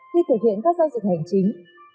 khi thực hiện các giao dịch hành chính